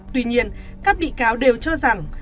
tuy nhiên các bị cáo đều cho rằng